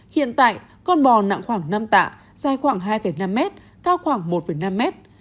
hiện tại con bò nặng khoảng năm tạ dài khoảng hai năm mét cao khoảng một năm mét